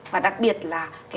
và đặc biệt là